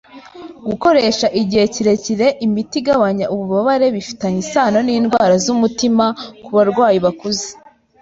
Gukoresha igihe kirekire imiti igabanya ububabare bifitanye isano n'indwara z'umutima ku barwayi bakuze.